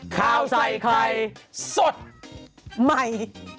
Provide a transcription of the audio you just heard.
ข้าวใส่ไข่สดใหม่